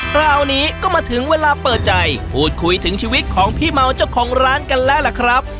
คราวนี้ก็มาถึงเวลาเปิดใจพูดคุยถึงชีวิตของพี่เมาเจ้าของร้านกันแล้วล่ะครับ